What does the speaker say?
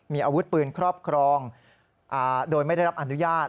มีอาวุธปืนครอบครองโดยไม่ได้รับอนุญาต